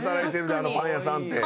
あのパン屋さん」って。